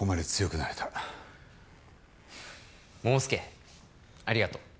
桃介ありがとう。